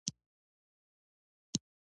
کابل د افغانستان د خلکو د ژوند کیفیت تاثیر کوي.